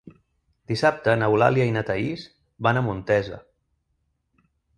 Dissabte n'Eulàlia i na Thaís van a Montesa.